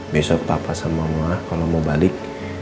besok papa sama mama kalau mau balik